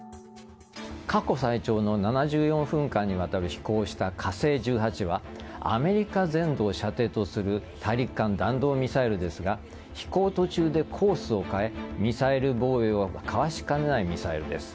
過去最長の７４分間にわたり飛行した火星１８はアメリカ全土を射程とする大陸間弾道ミサイルですが飛行途中でコースを変えミサイル防衛をかわしかねないミサイルです。